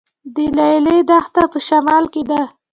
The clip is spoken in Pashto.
د لیلی دښته په شمال کې ده